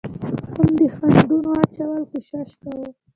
هم د خنډانو اچولو کوشش کوو،